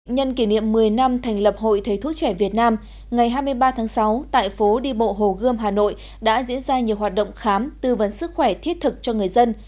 nhân kỷ niệm một mươi năm thành lập hội thầy thuốc trẻ việt nam ngày hai mươi ba tháng sáu tại phố đi bộ hồ gươm hà nội đã diễn ra nhiều hoạt động khám tư vấn sức khỏe thiết thực cho người dân